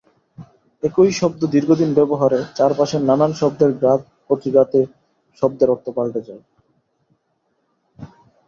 একই শব্দ দীর্ঘদিন ব্যবহারে, চারপাশের নানান শব্দের ঘাতপ্রতিঘাতে শব্দের অর্থ পাল্টে যায়।